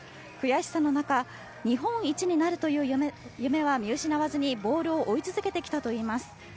悔しさの中日本一になるという夢は見失わずにボールを追い続けてきたといいます。